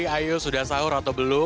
ayo sudah sahur atau belum